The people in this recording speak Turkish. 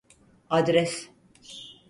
Adres